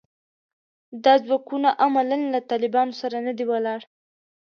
دا ځواکونه عملاً له طالبانو سره نه دي ولاړ